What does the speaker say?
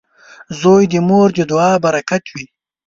• زوی د مور د دعاو برکت وي.